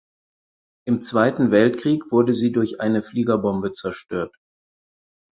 Im Zweiten Weltkrieg wurde sie durch eine Fliegerbombe zerstört.